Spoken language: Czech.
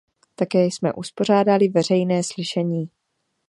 Také jsme uspořádali veřejné slyšení.